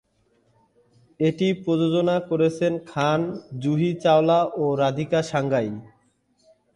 এটি প্রযোজনা করেছেন খান, জুহি চাওলা ও রাধিকা সাঙ্গোই।